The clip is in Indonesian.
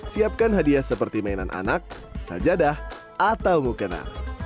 siapkan hadiah seperti mainan anak sajadah atau mukena